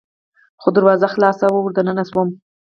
خو دروازه خلاصه وه، ور دننه شوم.